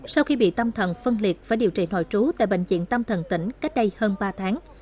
sau khi bị tâm thần phân liệt phải điều trị nội trú tại bệnh viện tâm thần tỉnh cách đây hơn ba tháng